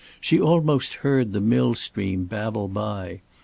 She almost heard the mill stream babble by.